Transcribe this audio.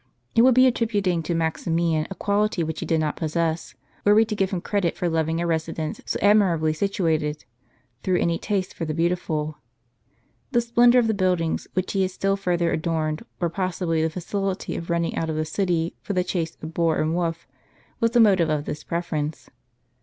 It would be attributing to Maximian a quality which he did not possess, were we to give him credit for loving a resi dence so admirably situated, through any taste for the beau tiful. The splendor of the buildings, which he had still further adorned, or possibly the facility of running out of the city for the chase of boar and wolf, was the motive of this preference.